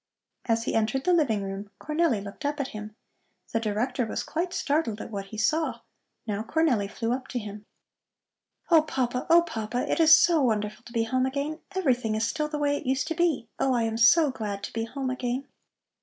As he entered the living room Cornelli looked up at him. The Director was quite startled at what he saw. Now Cornelli flew up to him. "Oh, Papa, oh, Papa! It is so wonderful to be home again! Everything is still the way it used to be. Oh, I am so glad to be home again!"